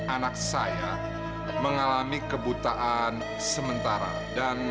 anak saya mengalami kebutaan sementara dan